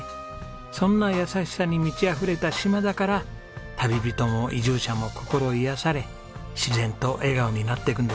そんな優しさに満ちあふれた島だから旅人も移住者も心癒やされ自然と笑顔になっていくんですよね。